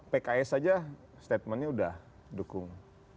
pks saja statementnya udah dukung